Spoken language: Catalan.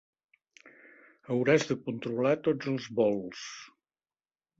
Hauràs de controlar tots els vols.